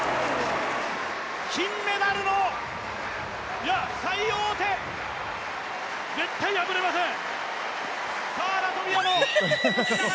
金メダルの最王手、絶対破れません！